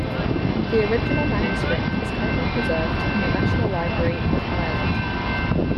The original manuscript is currently preserved in the National Library of Ireland.